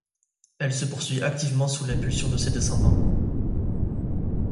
Elle se poursuit activement sous l'impulsion de ses descendants.